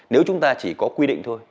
nếu chúng ta chỉ có quy định thôi